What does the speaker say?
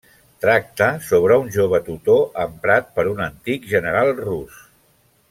Tracta sobre un jove tutor emprat per un antic general rus.